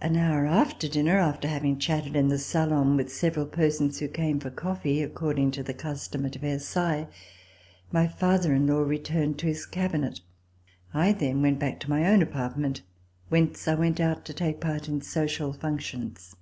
An hour after dinner, after having chatted in the salon with several persons who came for coffee, according to the custom at Versailles, my C 109 ] RECOLLECTIONS OF THE REVOLUTION father in law returned to his cabinet. I then went back to my own apartment, whence I went out to take part in social functions.